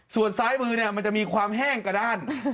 ส่วนซ้ายมือเนี่ยมันจะมีความแห้งกระด้าน